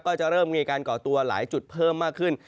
ก็จะเริ่มมีการก่อตัวหลายจุดเพิ่มมากขึ้น